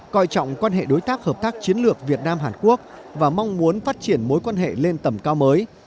coi trọng quan hệ đối tác hợp tác chiến lược việt nam hàn quốc và mong muốn phát triển mối quan hệ lên tầm cao mới